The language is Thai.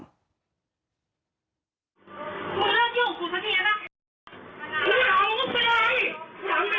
หนุ่มรายเดอร์คนนี้เขาบอกว่าขอพื้นที่ให้กับเขาในสังคมด้วย